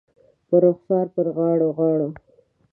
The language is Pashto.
پر رخسار، پر غاړو ، غاړو